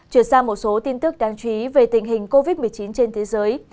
chuyển sang một số tin tức đáng chú ý về tình hình covid một mươi chín trên thế giới